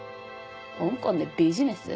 香港でビジネス？